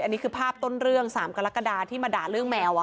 อันนี้คือภาพสามกรกฎาที่มาด่าเรื่องแมว